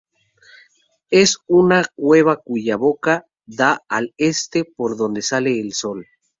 Es una cueva cuya boca da al este, por "donde sale el Sol".